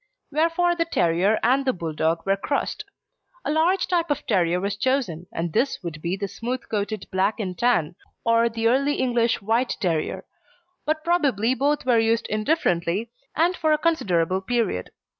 Wherefore the terrier and the Bulldog were crossed. A large type of terrier was chosen, and this would be the smooth coated Black and Tan, or the early English White Terrier; but probably both were used indifferently, and for a considerable period.